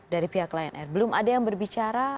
dari pihak lion air belum ada yang berbicara